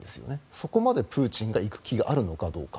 そこまでプーチンが行く気があるのかどうか。